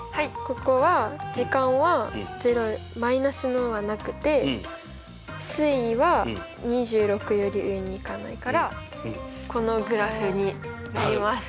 ここは時間はマイナスのはなくて水位は２６より上に行かないからこのグラフになります。